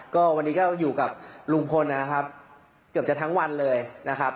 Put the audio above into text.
ก็วันนี้ก็อยู่กับลุงพลนะครับเกือบจะทั้งวันเลยนะครับ